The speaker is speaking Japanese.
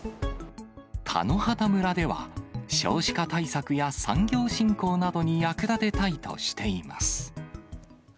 田野畑村では、少子化対策や産業振興などに役立てたいとしています。